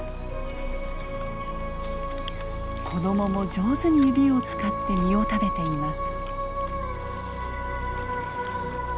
子どもも上手に指を使って実を食べています。